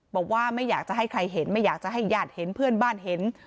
บอกว่าไม่อยากจะให้ใครเห็นไม่อยากจะให้ญาติเห็นเพื่อนบ้านเห็น